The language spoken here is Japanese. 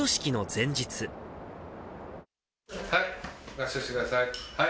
合掌してください。